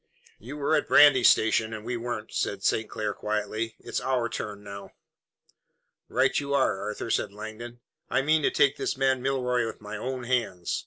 "You were at Brandy Station, and we weren't," said St. Clair quietly. "It's our turn now." "Right you are, Arthur," said Langdon. "I mean to take this man Milroy with my own hands.